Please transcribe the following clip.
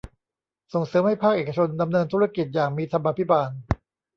ส่งเสริมให้ภาคเอกชนดำเนินธุรกิจอย่างมีธรรมาภิบาล